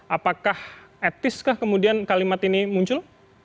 apakah etiskah kemudian kalimat ini muncul